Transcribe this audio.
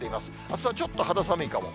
あすはちょっと肌寒いかも。